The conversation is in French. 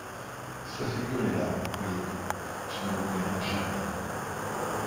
Sa figure est là, voyez-vous, je ne l'oublierai jamais.